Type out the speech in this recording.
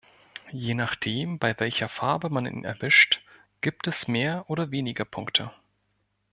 Je nachdem, bei welcher Farbe man ihn erwischt, gibt es mehr oder weniger Punkte.